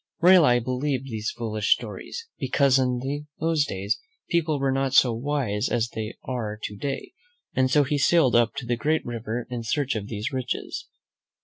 Raleigh believed these foolish stories, because in those days people were not so wise as they are to day, and so he sailed up the great river in search of these riches.